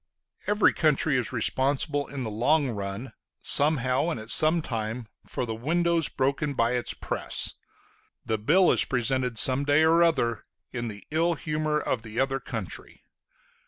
Every country is responsible in the long run, somehow and at some time, for the windows broken by its press; the bill is presented some day or other, in the ill humor of the other country.